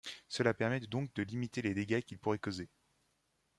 Cela permet donc de limiter les dégâts qu'il pourrait causer.